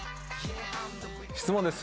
質問です。